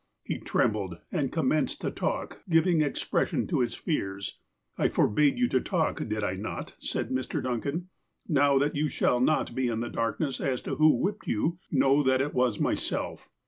He trembled, and commenced to talk, giving expression to his fears. I forbade you to talk, did I not? " said Mr. Duncan. ''Now, that you shall not be in the darkness as to who whipped you, know that it was myself."